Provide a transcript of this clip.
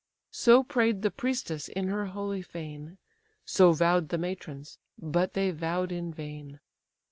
So pray'd the priestess in her holy fane; So vow'd the matrons, but they vow'd in vain.